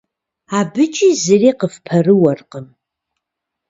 АбыкӀи зыри къыфпэрыуэркъым.